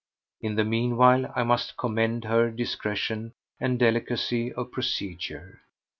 In the meanwhile I must commend her discretion and delicacy of procedure.